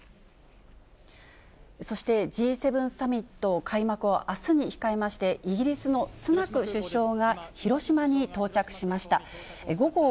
そして、Ｇ７サミット開幕をあすに控えまして、イギリスのスナク首相が広島に到着しました。